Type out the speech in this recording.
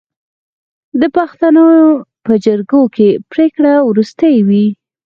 د پښتنو په جرګه کې پریکړه وروستۍ وي.